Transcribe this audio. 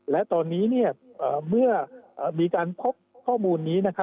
และเมื่อมีการพบข้อมูลนี้